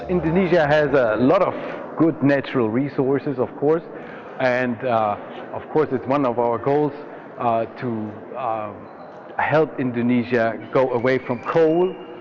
indonesia memiliki banyak sumber daya natural yang baik dan itu adalah tujuan kami untuk membantu indonesia berjalan dari kualitas